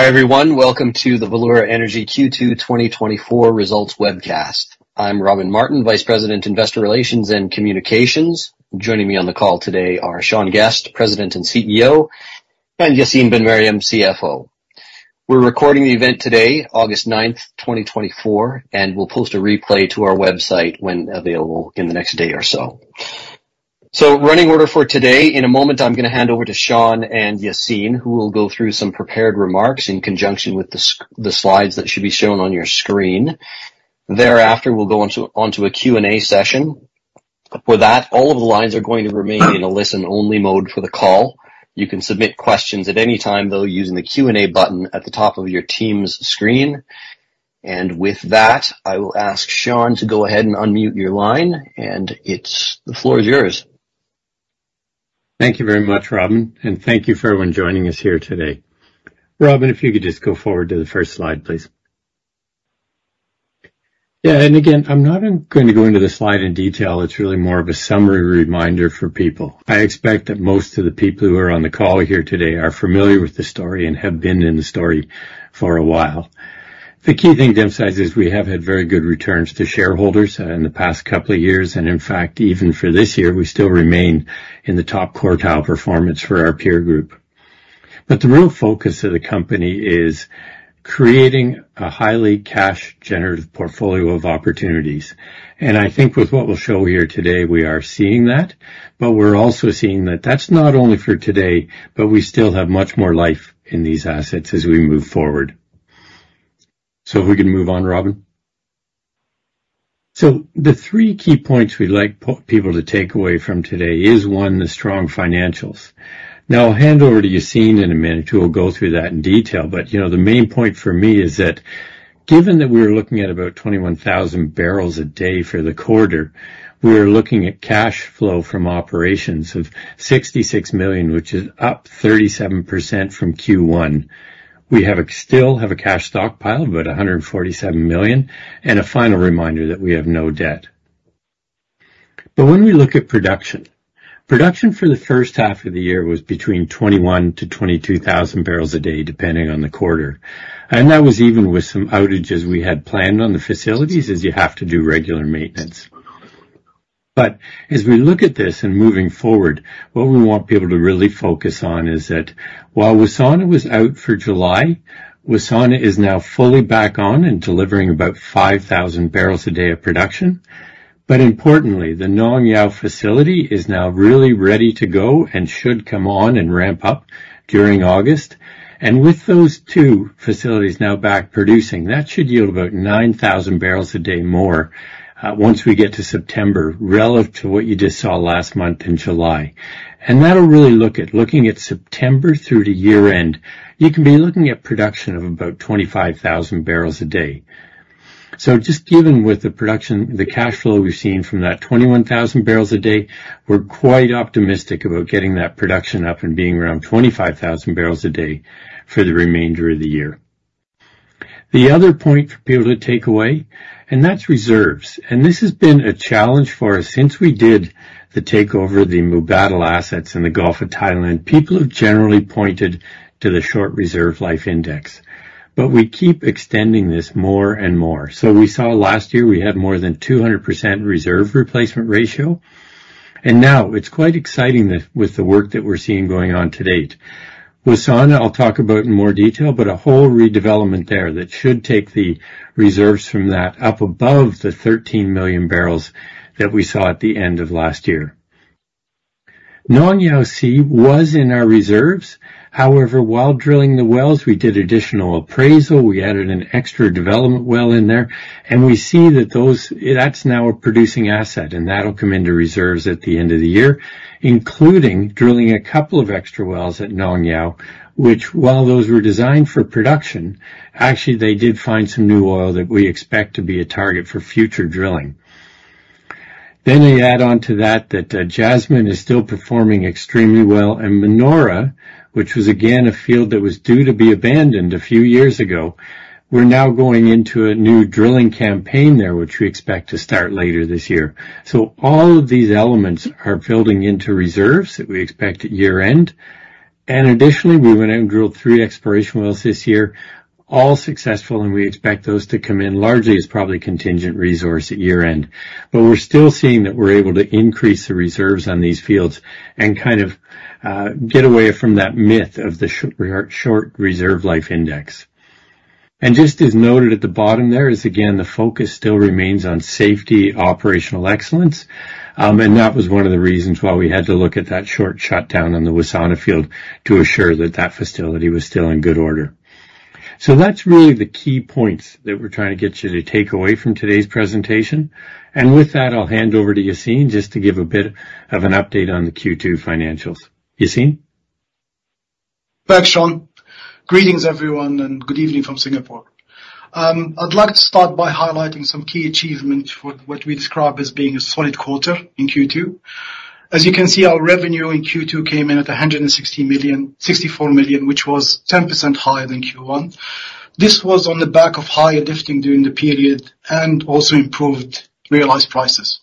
Hi, everyone. Welcome to the Valeura Energy Q2 2024 Results webcast. I'm Robin Martin, Vice President, Investor Relations and Communications. Joining me on the call today are Sean Guest, President and CEO, and Yacine Ben-Meriem, CFO. We're recording the event today, August ninth, twenty twenty-four, and we'll post a replay to our website when available in the next day or so. So running order for today, in a moment, I'm gonna hand over to Sean and Yacine, who will go through some prepared remarks in conjunction with the slides that should be shown on your screen. Thereafter, we'll go onto a Q&A session. For that, all of the lines are going to remain in a listen-only mode for the call. You can submit questions at any time, though, using the Q&A button at the top of your Teams screen. With that, I will ask Sean to go ahead and unmute your line, and it's, the floor is yours. Thank you very much, Robin, and thank you for everyone joining us here today. Robin, if you could just go forward to the first slide, please. Yeah, and again, I'm not even going to go into the slide in detail. It's really more of a summary reminder for people. I expect that most of the people who are on the call here today are familiar with the story and have been in the story for a while. The key thing to emphasize is we have had very good returns to shareholders, in the past couple of years, and in fact, even for this year, we still remain in the top quartile performance for our peer group. But the real focus of the company is creating a highly cash-generative portfolio of opportunities. I think with what we'll show here today, we are seeing that, but we're also seeing that that's not only for today, but we still have much more life in these assets as we move forward. So if we can move on, Robin. So the three key points we'd like people to take away from today is, one, the strong financials. Now, I'll hand over to Yacine in a minute, who will go through that in detail, but, you know, the main point for me is that given that we're looking at about 21,000 barrels a day for the quarter, we're looking at cash flow from operations of $66 million, which is up 37% from Q1. We still have a cash stockpile of about $147 million, and a final reminder that we have no debt. But when we look at production, production for the first half of the year was between 21,000-22,000 barrels a day, depending on the quarter. And that was even with some outages we had planned on the facilities, as you have to do regular maintenance. But as we look at this and moving forward, what we want people to really focus on is that while Wassana was out for July, Wassana is now fully back on and delivering about 5,000 barrels a day of production. But importantly, the Nong Yao facility is now really ready to go and should come on and ramp up during August. And with those two facilities now back producing, that should yield about 9,000 barrels a day more, once we get to September, relative to what you just saw last month in July. And that'll really look at, looking at September through to year-end, you can be looking at production of about 25,000 barrels a day. So just even with the production, the cash flow we've seen from that 21,000 barrels a day, we're quite optimistic about getting that production up and being around 25,000 barrels a day for the remainder of the year. The other point for people to take away, and that's reserves, and this has been a challenge for us since we did the takeover of the Mubadala assets in the Gulf of Thailand. People have generally pointed to the short Reserve Life Index, but we keep extending this more and more. So we saw last year we had more than 200% Reserve Replacement Ratio, and now it's quite exciting that with the work that we're seeing going on to date. Wassana, I'll talk about in more detail, but a whole redevelopment there that should take the reserves from that up above the 13 million barrels that we saw at the end of last year. Nong Yao C was in our reserves. However, while drilling the wells, we did additional appraisal. We added an extra development well in there, and we see that those—that's now a producing asset, and that'll come into reserves at the end of the year, including drilling a couple of extra wells at Nong Yao, which, while those were designed for production, actually, they did find some new oil that we expect to be a target for future drilling. Then they add on to that that Jasmine is still performing extremely well, and Manora, which was, again, a field that was due to be abandoned a few years ago, we're now going into a new drilling campaign there, which we expect to start later this year. So all of these elements are building into reserves that we expect at year-end. And additionally, we went out and drilled three exploration wells this year, all successful, and we expect those to come in largely as probably contingent resource at year-end. But we're still seeing that we're able to increase the reserves on these fields and kind of get away from that myth of the short Reserve Life Index. And just as noted at the bottom there, is again, the focus still remains on safety, operational excellence, and that was one of the reasons why we had to look at that short shutdown on the Wassana field to assure that that facility was still in good order. So that's really the key points that we're trying to get you to take away from today's presentation. And with that, I'll hand over to Yacine, just to give a bit of an update on the Q2 financials. Yacine? Thanks, Sean. Greetings, everyone, and good evening from Singapore. I'd like to start by highlighting some key achievements for what we describe as being a solid quarter in Q2. As you can see, our revenue in Q2 came in at $164 million, which was 10% higher than Q1. This was on the back of higher lifting during the period and also improved realized prices.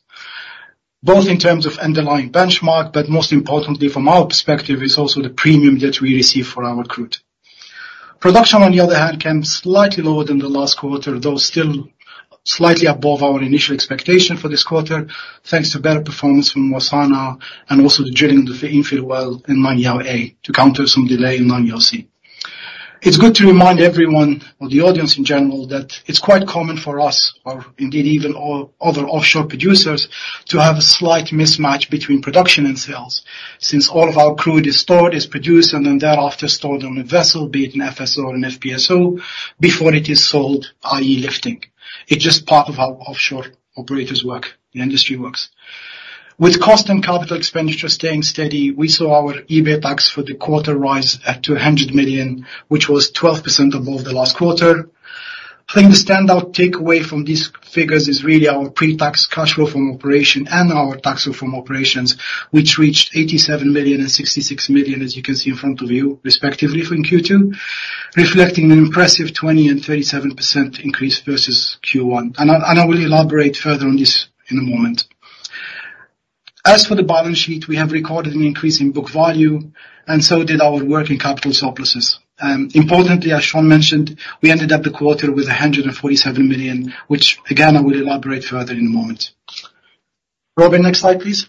Both in terms of underlying benchmark, but most importantly, from our perspective, it's also the premium that we receive for our crude. Production, on the other hand, came slightly lower than the last quarter, though still slightly above our initial expectation for this quarter, thanks to better performance from Wassana and also the drilling of the infill well in Nong Yao A, to counter some delay in Nong Yao C. It's good to remind everyone, or the audience in general, that it's quite common for us, or indeed even all other offshore producers, to have a slight mismatch between production and sales, since all of our crude is stored, is produced, and then thereafter stored on a vessel, be it an FSO or an FPSO, before it is sold, i.e., lifting. It's just part of how offshore operators work, the industry works. With cost and capital expenditure staying steady, we saw our EBITDAX for the quarter rise at $200 million, which was 12% above the last quarter. I think the standout takeaway from these figures is really our pre-tax cash flow from operation and our tax flow from operations, which reached $87 million and $66 million, as you can see in front of you, respectively, from Q2, reflecting an impressive 20% and 37% increase versus Q1. And I will elaborate further on this in a moment. As for the balance sheet, we have recorded an increase in book value, and so did our working capital surpluses. Importantly, as Sean mentioned, we ended up the quarter with $147 million, which again, I will elaborate further in a moment. Robin, next slide, please.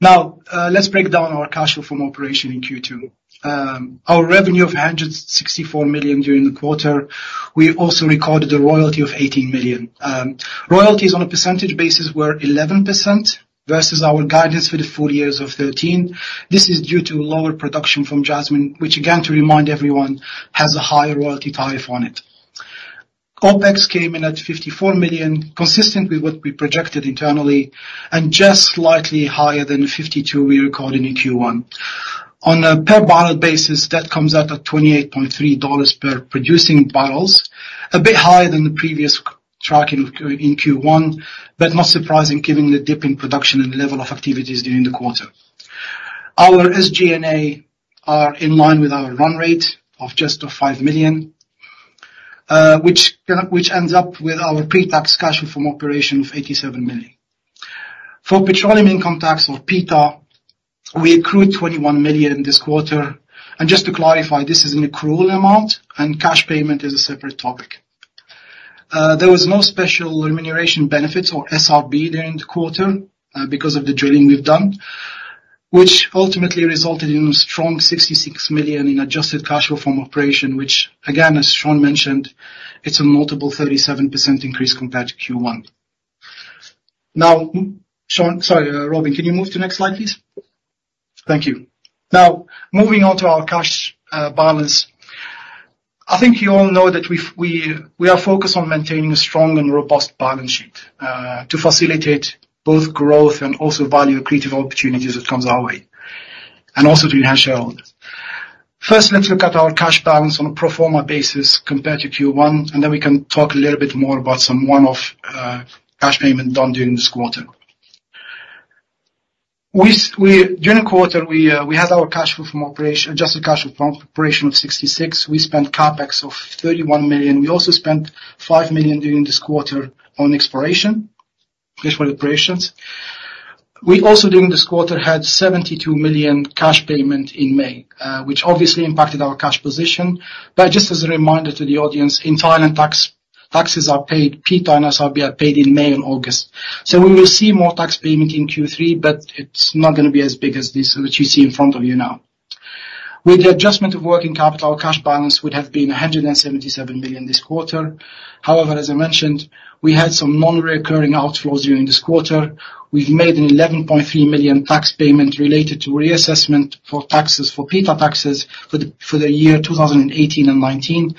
Now, let's break down our cash flow from operation in Q2. Our revenue of $164 million during the quarter, we also recorded a royalty of $18 million. Royalties on a percentage basis were 11% versus our guidance for the full years of 13. This is due to lower production from Jasmine, which, again, to remind everyone, has a higher royalty tariff on it. OPEX came in at $54 million, consistent with what we projected internally, and just slightly higher than the $52 million we recorded in Q1. On a per barrel basis, that comes out at $28.3 per producing barrels, a bit higher than the previous tracking in Q1, but not surprising, given the dip in production and level of activities during the quarter. Our SG&A are in line with our run rate of just of $5 million, which ends up with our pre-tax cash flow from operation of $87 million. For petroleum income tax, or PITA, we accrued $21 million this quarter. Just to clarify, this is an accrual amount, and cash payment is a separate topic. There was no special remuneration benefits, or SRB, during the quarter, because of the drilling we've done, which ultimately resulted in a strong $66 million in adjusted cash flow from operation, which again, as Sean mentioned, it's a multiple 37% increase compared to Q1. Now, Sean—sorry, Robin, can you move to next slide, please? Thank you. Now, moving on to our cash balance. I think you all know that we are focused on maintaining a strong and robust balance sheet, to facilitate both growth and also value creative opportunities that comes our way, and also to enhance shareholders. First, let's look at our cash balance on a pro forma basis compared to Q1, and then we can talk a little bit more about some one-off cash payment done during this quarter. During the quarter, we had our cash flow from operation, adjusted cash flow from operation of $66 million. We spent CapEx of $31 million. We also spent $5 million during this quarter on exploration, fiscal operations. We also, during this quarter, had $72 million cash payment in May, which obviously impacted our cash position. But just as a reminder to the audience, in Thailand, taxes are paid, PITA and SRB are paid in May and August. So we will see more tax payment in Q3, but it's not gonna be as big as this, as what you see in front of you now. With the adjustment of working capital, our cash balance would have been $177 million this quarter. However, as I mentioned, we had some non-recurring outflows during this quarter. We've made an $11.3 million tax payment related to reassessment for taxes, for PITA taxes for the, for the year 2018 and 2019,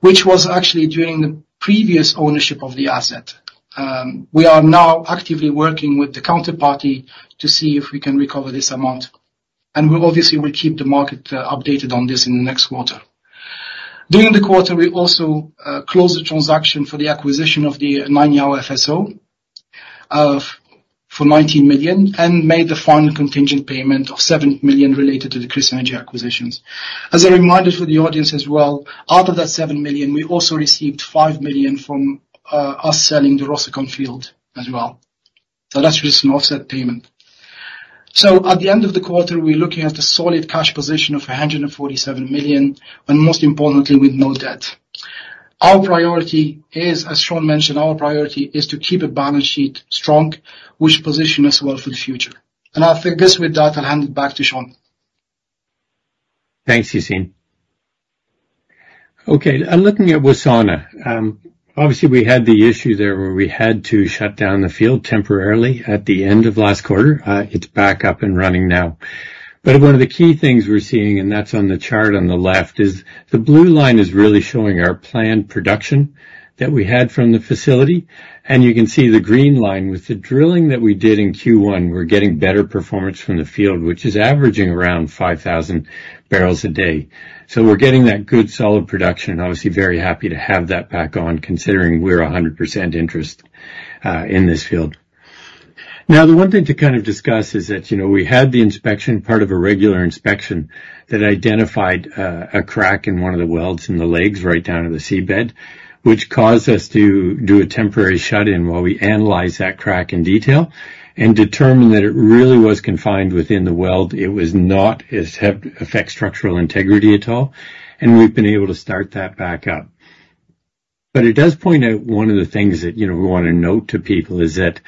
which was actually during the previous ownership of the asset. We are now actively working with the counterparty to see if we can recover this amount. And we obviously will keep the market updated on this in the next quarter. During the quarter, we also closed the transaction for the acquisition of the Nong Yao FSO, of, for $19 million, and made the final contingent payment of $7 million related to the KrisEnergy acquisitions. As a reminder for the audience as well, out of that $7 million, we also received $5 million from us selling the Rossukon field as well. So that's just an offset payment. So at the end of the quarter, we're looking at a solid cash position of $147 million, and most importantly, with no debt. Our priority is, as Sean mentioned, our priority is to keep the balance sheet strong, which position us well for the future. And I think this with that, I'll hand it back to Sean. Thanks, Yacine. Okay, I'm looking at Wassana. Obviously, we had the issue there where we had to shut down the field temporarily at the end of last quarter. It's back up and running now. But one of the key things we're seeing, and that's on the chart on the left, is the blue line is really showing our planned production that we had from the facility. And you can see the green line, with the drilling that we did in Q1, we're getting better performance from the field, which is averaging around 5,000 barrels a day. So we're getting that good, solid production, and obviously very happy to have that back on, considering we're 100% interest in this field. Now, the one thing to kind of discuss is that, you know, we had the inspection, part of a regular inspection, that identified a crack in one of the welds in the legs right down to the seabed, which caused us to do a temporary shut-in while we analyzed that crack in detail and determined that it really was confined within the weld. It was not; it had no effect on structural integrity at all, and we've been able to start that back up. But it does point out one of the things that, you know, we wanna note to people is that,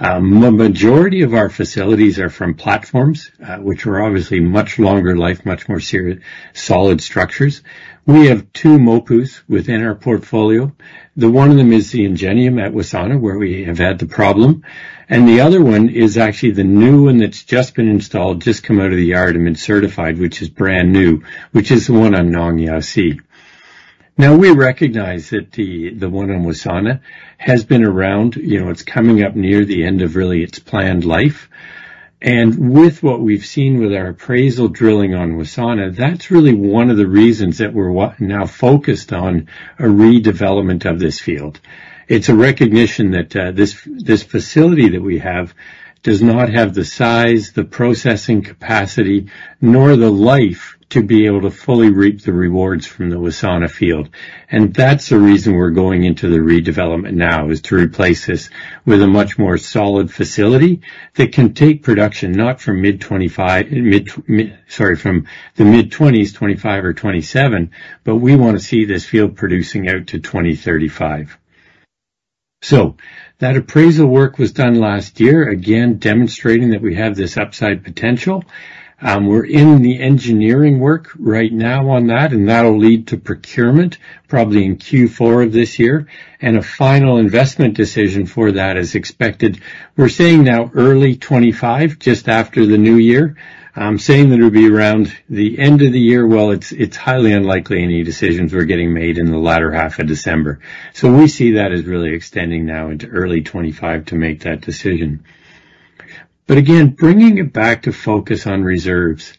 the majority of our facilities are from platforms, which are obviously much longer life, much more serious, solid structures. We have two MOPUs within our portfolio. The one of them is the Ingenium at Wassana, where we have had the problem, and the other one is actually the new one that's just been installed, just come out of the yard and been certified, which is brand new, which is the one on Nong Yao C. Now, we recognize that the one on Wassana has been around, you know, it's coming up near the end of really its planned life. And with what we've seen with our appraisal drilling on Wassana, that's really one of the reasons that we're now focused on a redevelopment of this field. It's a recognition that this facility that we have does not have the size, the processing capacity, nor the life to be able to fully reap the rewards from the Wassana field. And that's the reason we're going into the redevelopment now, is to replace this with a much more solid facility that can take production not from mid-2025, from the mid-2020s, 2025 or 2027, but we wanna see this field producing out to 2035. So that appraisal work was done last year, again, demonstrating that we have this upside potential. We're in the engineering work right now on that, and that'll lead to procurement probably in Q4 of this year, and a final investment decision for that is expected. We're saying now early 2025, just after the new year. I'm saying that it'll be around the end of the year. Well, it's highly unlikely any decisions we're getting made in the latter half of December. So we see that as really extending now into early 2025 to make that decision. But again, bringing it back to focus on reserves.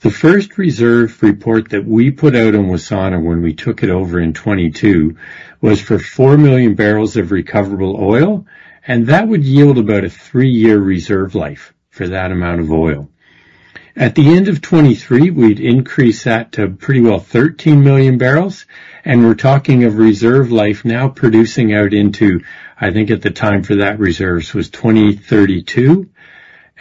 The first reserve report that we put out on Wassana when we took it over in 2022, was for 4 million barrels of recoverable oil, and that would yield about a 3-year reserve life for that amount of oil. At the end of 2023, we'd increase that to pretty well 13 million barrels, and we're talking of reserve life now producing out into, I think, at the time for that reserves was 2032.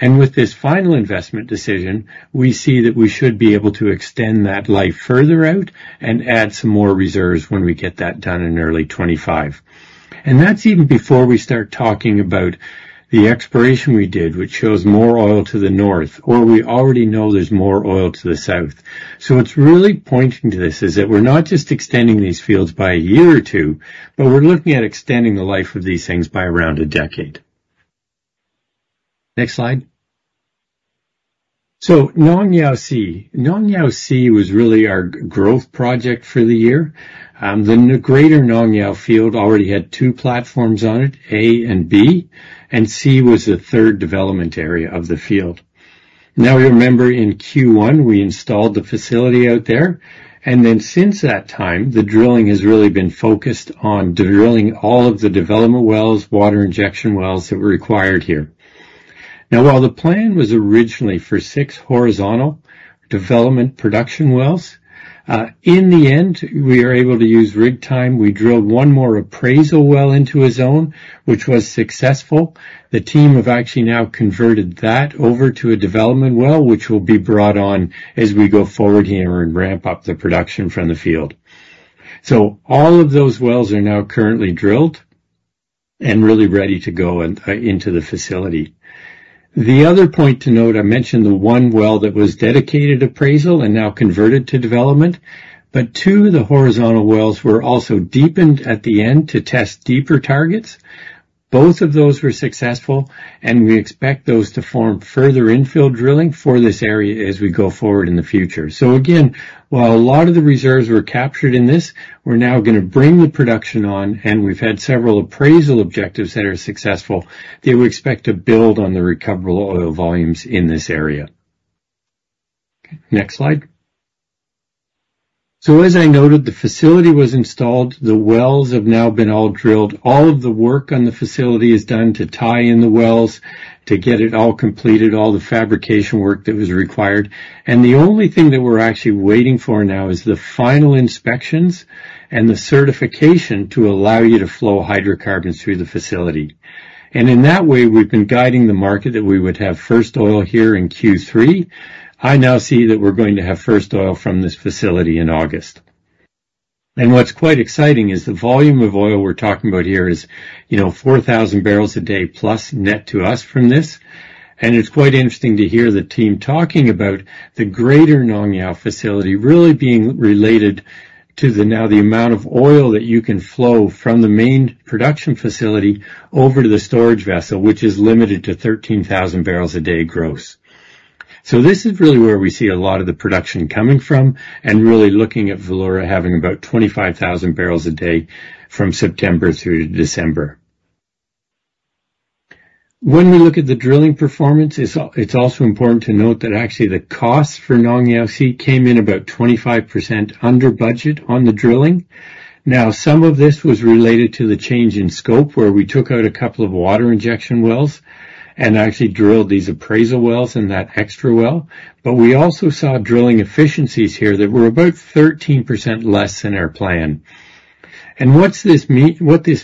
And with this final investment decision, we see that we should be able to extend that life further out and add some more reserves when we get that done in early 2025. And that's even before we start talking about the exploration we did, which shows more oil to the north, or we already know there's more oil to the south. So what's really pointing to this is that we're not just extending these fields by a year or two, but we're looking at extending the life of these things by around a decade. Next slide. So Nong Yao C. Nong Yao C was really our growth project for the year. The greater Nong Yao field already had two platforms on it, A and B, and C was the third development area of the field. Now, remember in Q1, we installed the facility out there, and then since that time, the drilling has really been focused on drilling all of the development wells, water injection wells that were required here. Now, while the plan was originally for six horizontal development production wells, in the end, we are able to use rig time. We drilled one more appraisal well into a zone which was successful. The team have actually now converted that over to a development well, which will be brought on as we go forward here and ramp up the production from the field. So all of those wells are now currently drilled and really ready to go into the facility. The other point to note, I mentioned the one well that was dedicated appraisal and now converted to development, but two of the horizontal wells were also deepened at the end to test deeper targets. Both of those were successful, and we expect those to form further infill drilling for this area as we go forward in the future. So again, while a lot of the reserves were captured in this, we're now gonna bring the production on, and we've had several appraisal objectives that are successful, that we expect to build on the recoverable oil volumes in this area. Next slide. So as I noted, the facility was installed. The wells have now been all drilled. All of the work on the facility is done to tie in the wells, to get it all completed, all the fabrication work that was required. And the only thing that we're actually waiting for now is the final inspections and the certification to allow you to flow hydrocarbons through the facility. And in that way, we've been guiding the market that we would have first oil here in Q3. I now see that we're going to have first oil from this facility in August. And what's quite exciting is the volume of oil we're talking about here is, you know, 4,000 barrels a day plus net to us from this. And it's quite interesting to hear the team talking about the greater Nong Yao facility really being related to the... Now the amount of oil that you can flow from the main production facility over to the storage vessel, which is limited to 13,000 barrels a day, gross. So this is really where we see a lot of the production coming from and really looking at Valeura having about 25,000 barrels a day from September through to December. When we look at the drilling performance, it's also important to note that actually the cost for Nong Yao C came in about 25% under budget on the drilling. Now, some of this was related to the change in scope, where we took out a couple of water injection wells and actually drilled these appraisal wells and that extra well. But we also saw drilling efficiencies here that were about 13% less than our plan. What this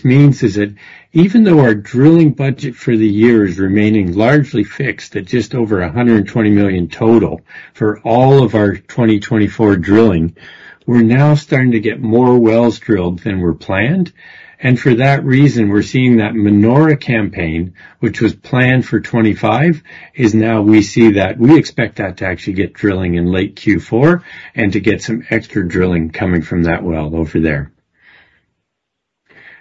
means is that even though our drilling budget for the year is remaining largely fixed at just over $120 million total for all of our 2024 drilling, we're now starting to get more wells drilled than were planned. And for that reason, we're seeing that Manora campaign, which was planned for 25, is now we see that we expect that to actually get drilling in late Q4 and to get some extra drilling coming from that well over there.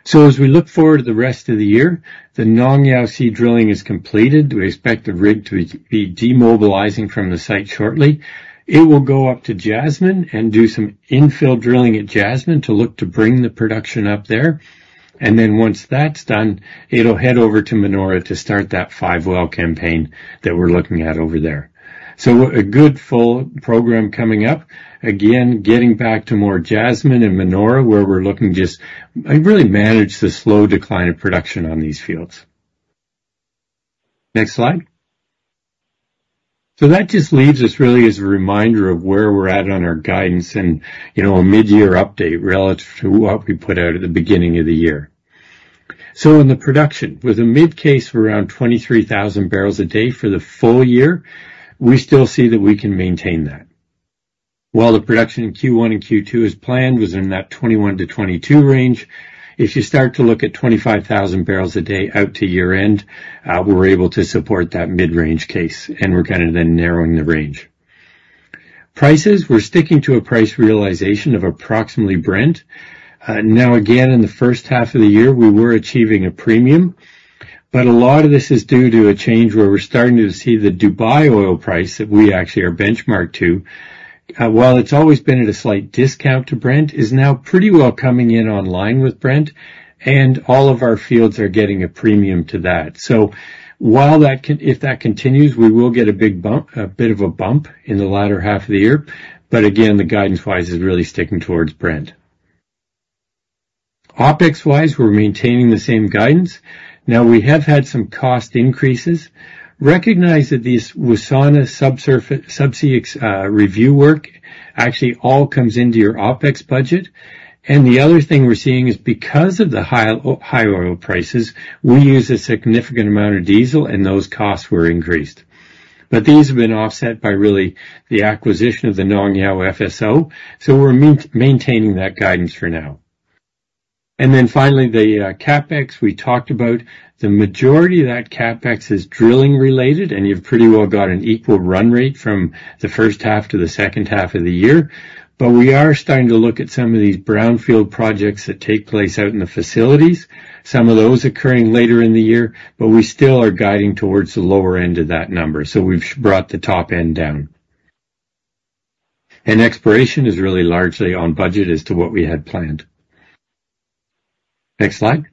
So as we look forward to the rest of the year, the Nong Yao C drilling is completed. We expect the rig to be demobilizing from the site shortly. It will go up to Jasmine and do some infill drilling at Jasmine to look to bring the production up there, and then once that's done, it'll head over to Manora to start that five-well campaign that we're looking at over there. So a good full program coming up. Again, getting back to more Jasmine and Manora, where we're looking just, really manage the slow decline of production on these fields. Next slide. So that just leaves us really as a reminder of where we're at on our guidance and, you know, a mid-year update relative to what we put out at the beginning of the year. So in the production, with a mid-case of around 23,000 barrels a day for the full year, we still see that we can maintain that. While the production in Q1 and Q2 as planned was in that 21-22 range, if you start to look at 25,000 barrels a day out to year-end, we're able to support that mid-range case, and we're kind of then narrowing the range. Prices, we're sticking to a price realization of approximately Brent. Now, again, in the first half of the year, we were achieving a premium, but a lot of this is due to a change where we're starting to see the Dubai oil price that we actually are benchmarked to. While it's always been at a slight discount to Brent, is now pretty well coming in online with Brent, and all of our fields are getting a premium to that. So while that continues, if that continues, we will get a big bump, a bit of a bump in the latter half of the year, but again, the guidance-wise is really sticking towards Brent. OpEx-wise, we're maintaining the same guidance. Now, we have had some cost increases. Recognize that these Wassana subsurface, subsea, review work actually all comes into your OpEx budget. And the other thing we're seeing is because of the high, high oil prices, we use a significant amount of diesel, and those costs were increased. But these have been offset by really the acquisition of the Nong Yao FSO, so we're maintaining that guidance for now. And then finally, the CapEx. We talked about the majority of that CapEx is drilling related, and you've pretty well got an equal run rate from the first half to the second half of the year. But we are starting to look at some of these brownfield projects that take place out in the facilities, some of those occurring later in the year, but we still are guiding towards the lower end of that number, so we've brought the top end down. And exploration is really largely on budget as to what we had planned. Next slide.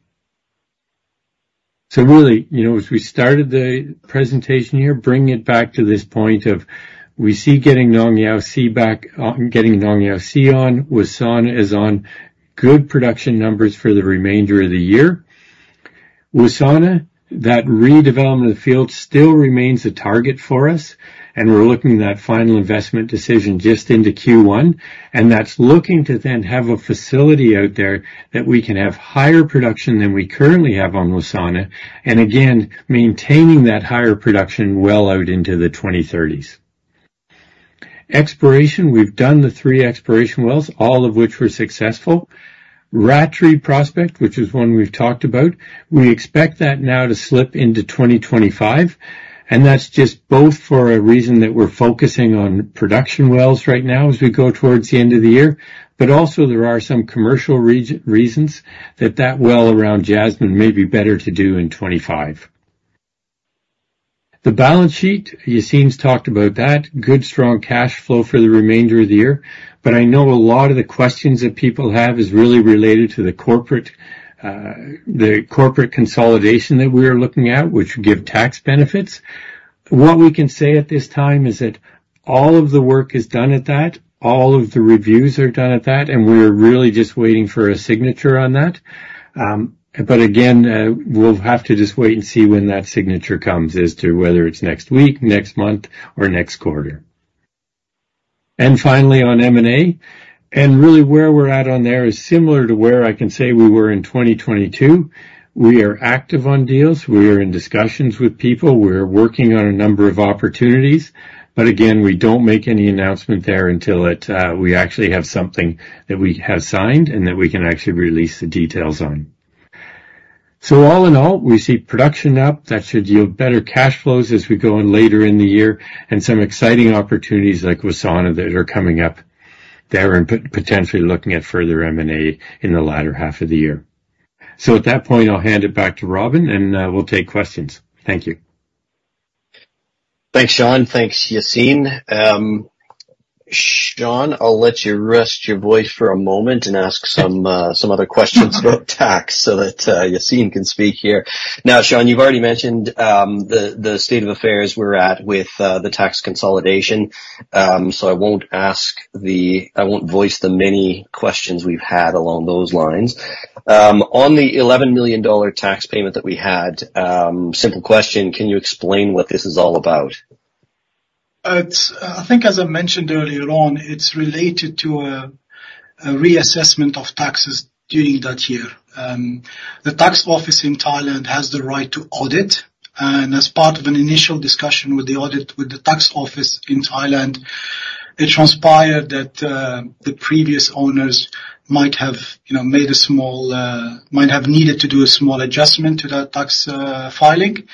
So really, you know, as we started the presentation here, bringing it back to this point of we see getting Nong Yao C back on, getting Nong Yao C on, Wassana is on good production numbers for the remainder of the year. Wassana, that redevelopment field still remains a target for us, and we're looking at that final investment decision just into Q1, and that's looking to then have a facility out there that we can have higher production than we currently have on Wassana, and again, maintaining that higher production well out into the 2030s. Exploration. We've done the three exploration wells, all of which were successful. Ratree prospect, which is one we've talked about, we expect that now to slip into 2025, and that's just both for a reason that we're focusing on production wells right now as we go towards the end of the year. But also, there are some commercial reasons that that well around Jasmine may be better to do in 2025. The balance sheet, Yacine's talked about that, good, strong cash flow for the remainder of the year. But I know a lot of the questions that people have is really related to the corporate, the corporate consolidation that we are looking at, which give tax benefits. What we can say at this time is that all of the work is done at that, all of the reviews are done at that, and we're really just waiting for a signature on that. But again, we'll have to just wait and see when that signature comes, as to whether it's next week, next month, or next quarter. And finally, on M&A, and really where we're at on there is similar to where I can say we were in 2022. We are active on deals. We are in discussions with people. We're working on a number of opportunities, but again, we don't make any announcement there until it, we actually have something that we have signed and that we can actually release the details on. So all in all, we see production up. That should yield better cash flows as we go in later in the year and some exciting opportunities like Wassana that are coming up there and potentially looking at further M&A in the latter half of the year. So at that point, I'll hand it back to Robin, and, we'll take questions. Thank you.... Thanks, Sean. Thanks, Yacine. Sean, I'll let you rest your voice for a moment and ask some other questions about tax so that Yacine can speak here. Now, Sean, you've already mentioned the state of affairs we're at with the tax consolidation. So I won't voice the many questions we've had along those lines. On the $11 million tax payment that we had, simple question: Can you explain what this is all about? It's, I think as I mentioned earlier on, it's related to a reassessment of taxes during that year. The tax office in Thailand has the right to audit, and as part of an initial discussion with the audit, with the tax office in Thailand, it transpired that the previous owners might have, you know, needed to do a small adjustment to that tax filing.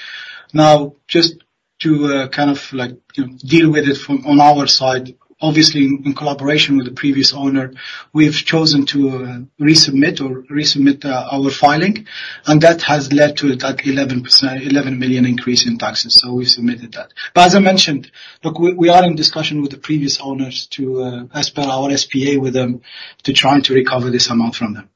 Now, just to kind of like, you know, deal with it from on our side, obviously in collaboration with the previous owner, we have chosen to resubmit or resubmit our filing, and that has led to a tax 11% $11 million increase in taxes, so we've submitted that. But as I mentioned, look, we are in discussion with the previous owners to, as per our SPA with them, to try to recover this amount from them.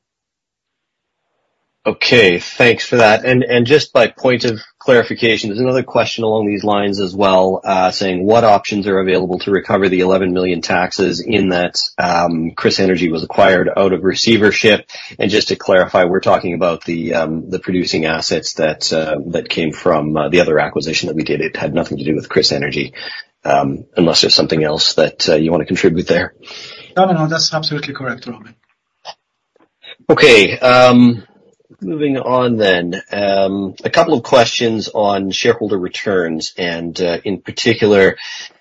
Okay, thanks for that. And just by point of clarification, there's another question along these lines as well, saying: What options are available to recover the $11 million taxes in that KrisEnergy was acquired out of receivership? And just to clarify, we're talking about the producing assets that came from the other acquisition that we did. It had nothing to do with KrisEnergy, unless there's something else that you wanna contribute there. No, no, no, that's absolutely correct, Robbie. Okay, moving on then. A couple of questions on shareholder returns, and in particular,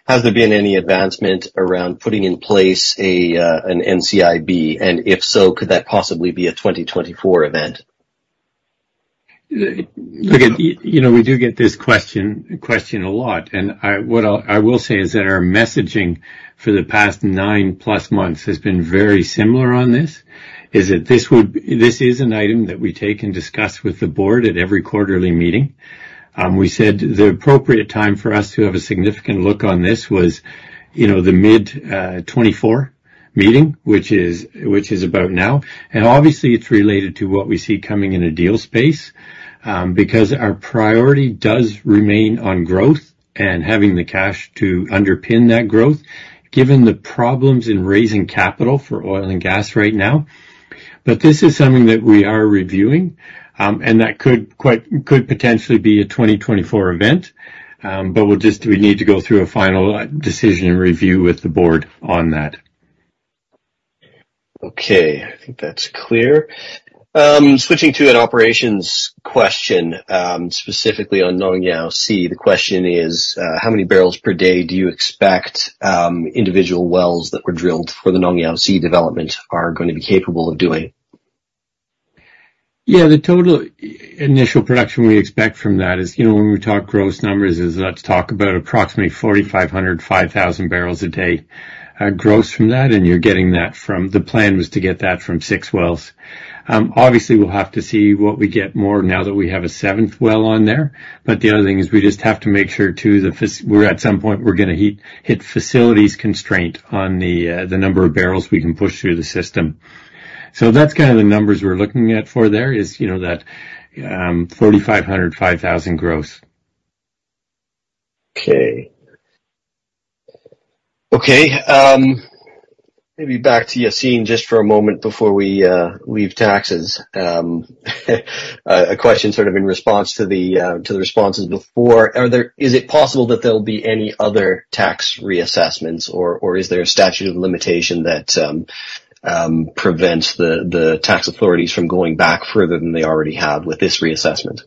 has there been any advancement around putting in place a, an NCIB? And if so, could that possibly be a 2024 event? Look, you know, we do get this question a lot, and what I will say is that our messaging for the past nine-plus months has been very similar on this, is that this is an item that we take and discuss with the board at every quarterly meeting. We said the appropriate time for us to have a significant look on this was, you know, the mid-2024 meeting, which is about now. Obviously, it's related to what we see coming in the deal space, because our priority does remain on growth and having the cash to underpin that growth, given the problems in raising capital for oil and gas right now. This is something that we are reviewing, and that could potentially be a 2024 event. But we need to go through a final decision and review with the board on that. Okay, I think that's clear. Switching to an operations question, specifically on Nong Yao C. The question is: How many barrels per day do you expect, individual wells that were drilled for the Nong Yao C development are going to be capable of doing? Yeah, the total initial production we expect from that is, you know, when we talk gross numbers, is let's talk about approximately 4,500-5,000 barrels a day, gross from that, and you're getting that from... The plan was to get that from six wells. Obviously, we'll have to see what we get more now that we have a seventh well on there, but the other thing is we just have to make sure, too, that this, we're at some point, we're gonna hit facilities constraint on the number of barrels we can push through the system. So that's kind of the numbers we're looking at for there, is, you know, that, 4,500-5,000 gross. Okay. Okay, maybe back to Yacine just for a moment before we leave taxes. A question sort of in response to the responses before. Is it possible that there'll be any other tax reassessments, or is there a statute of limitation that prevents the tax authorities from going back further than they already have with this reassessment?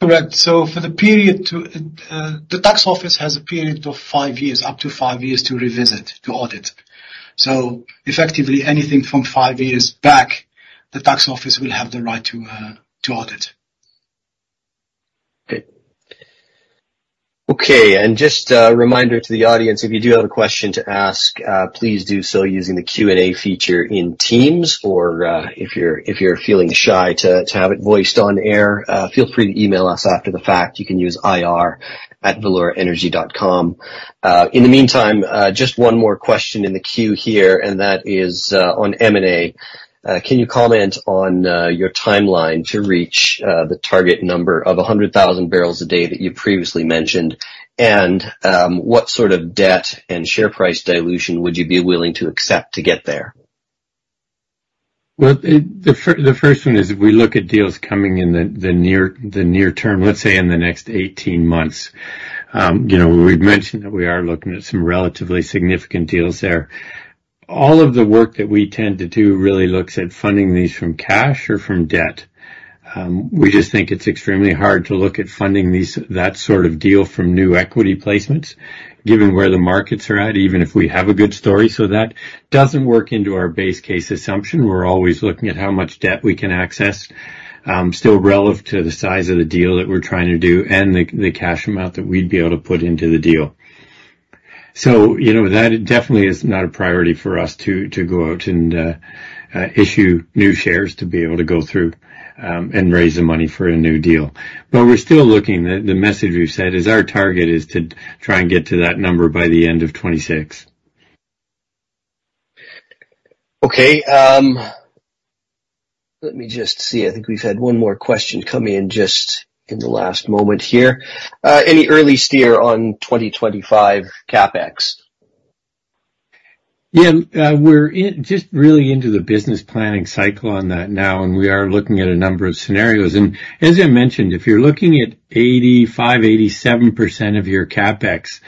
Correct. So for the period to. The tax office has a period of five years, up to five years to revisit, to audit. So effectively, anything from five years back, the tax office will have the right to, to audit. Okay. Okay, and just a reminder to the audience, if you do have a question to ask, please do so using the Q&A feature in Teams, or, if you're feeling shy to have it voiced on air, feel free to email us after the fact. You can use ir@valeuraenergy.com. In the meantime, just one more question in the queue here, and that is on M&A. Can you comment on your timeline to reach the target number of 100,000 barrels a day that you previously mentioned? And, what sort of debt and share price dilution would you be willing to accept to get there? Well, the first one is we look at deals coming in the near term, let's say in the next 18 months. You know, we've mentioned that we are looking at some relatively significant deals there. All of the work that we tend to do really looks at funding these from cash or from debt. We just think it's extremely hard to look at funding these, that sort of deal from new equity placements, given where the markets are at, even if we have a good story. So that doesn't work into our base case assumption. We're always looking at how much debt we can access, still relevant to the size of the deal that we're trying to do and the cash amount that we'd be able to put into the deal. So, you know, that definitely is not a priority for us to go out and issue new shares to be able to go through and raise the money for a new deal. But we're still looking. The message we've said is our target is to try and get to that number by the end of 2026. Okay, let me just see. I think we've had one more question come in just in the last moment here. Any early steer on 2025 CapEx? Yeah. We're just really into the business planning cycle on that now, and we are looking at a number of scenarios. And as I mentioned, if you're looking at 85%-87% of your CapEx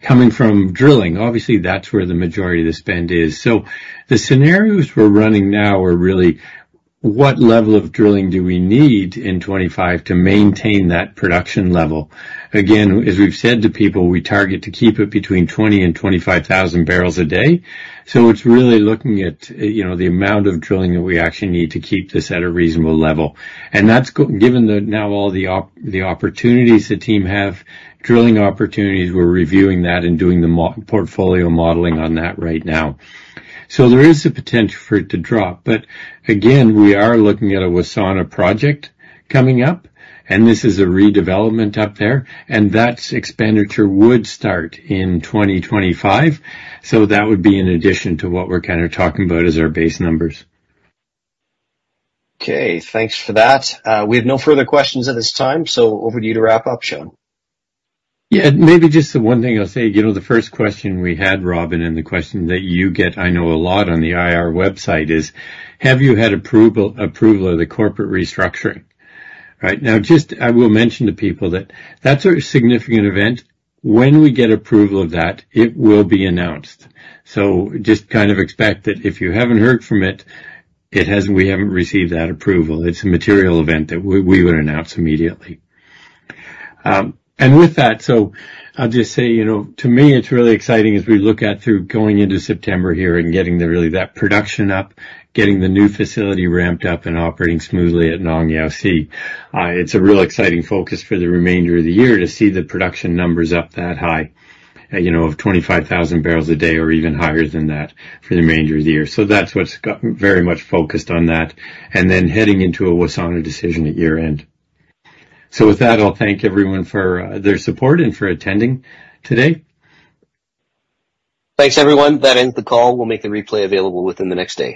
coming from drilling, obviously, that's where the majority of the spend is. So the scenarios we're running now are really, what level of drilling do we need in 2025 to maintain that production level? Again, as we've said to people, we target to keep it between 20,000 and 25,000 barrels a day. So it's really looking at, you know, the amount of drilling that we actually need to keep this at a reasonable level. And that's given the... Now, all the opportunities the team have, drilling opportunities, we're reviewing that and doing the portfolio modeling on that right now. So there is a potential for it to drop, but again, we are looking at a Wassana project coming up, and this is a redevelopment up there, and that expenditure would start in 2025. So that would be in addition to what we're kind of talking about as our base numbers. Okay, thanks for that. We have no further questions at this time, so over to you to wrap up, Sean. Yeah, maybe just the one thing I'll say, you know, the first question we had, Robin, and the question that you get, I know a lot on the IR website, is: Have you had approval of the corporate restructuring? Right now, just I will mention to people that that's a significant event. When we get approval of that, it will be announced. So just kind of expect that if you haven't heard from it, it hasn't. We haven't received that approval. It's a material event that we would announce immediately. And with that, so I'll just say, you know, to me, it's really exciting as we look at through going into September here and getting that production up, getting the new facility ramped up and operating smoothly at Nong Yao C. It's a real exciting focus for the remainder of the year to see the production numbers up that high, you know, of 25,000 barrels a day or even higher than that for the remainder of the year. That's what's got very much focused on that, and then heading into a Wassana decision at year-end. With that, I'll thank everyone for their support and for attending today. Thanks, everyone. That ends the call. We'll make the replay available within the next day.